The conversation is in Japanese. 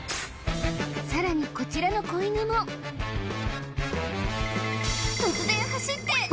さらにこちらの子犬も突然走って！